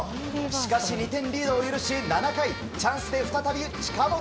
しかし２点リードを許し７回チャンスで再び近本。